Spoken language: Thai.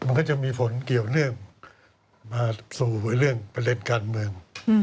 มันก็จะมีผลเกี่ยวเนื่องมาสู่เรื่องประเด็นการเมือง